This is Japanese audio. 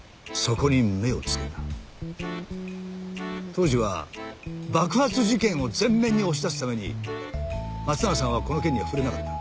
当時は爆発事件を前面に押し出すために松永さんはこの件には触れなかった。